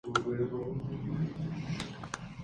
Se declaró culpable y se pidió misericordia al rey.